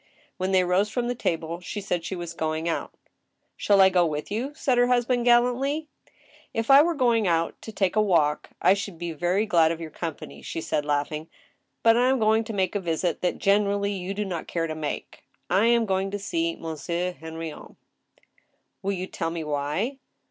When they rose from the table, she said she was going out " Shall I go with you ?" said her husband, gallantly. " If I were going out to take a walk, I should be very glad of your company," she said, laughing ;" but I am going to make a THE JUDGMENT OF GOD. 171 visit that generally you da not care to make. I am going to sjbc. Monsieur Henrion." •* Will you tell me why